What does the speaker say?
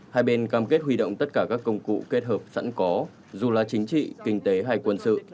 hai bên cam kết huy động tất cả các công cụ kết hợp sẵn có dù là chính trị kinh tế hay quân sự